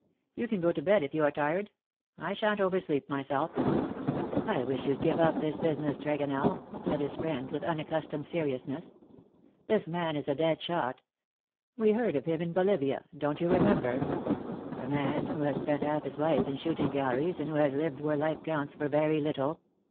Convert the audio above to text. You can go to bed if you are tired : I shan't oversleep myself.^' '^ I wish youM give up this business, Tregonell/^ said his friend, with unaccustomed seriousness. " This man is a dead shot. We heard of him in Bolivia, don^t you remember ? A man who has spent half his life in shooting galleries, and who has lived where life counts for very little.